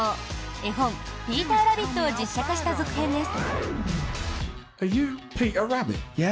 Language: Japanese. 絵本「ピーターラビット」を実写化した続編です。